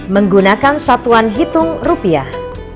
menggunakan satuan hitung rupiah